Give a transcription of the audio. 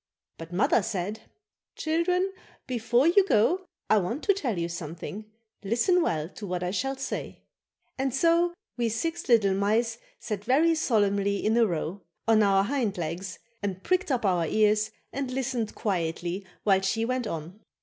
But mother said: "Children, before you go I want to tell you something; listen well to what I shall say." And so we six little mice sat very solemnly in a row, on our hind legs and pricked up our ears and listened quietly while she went on.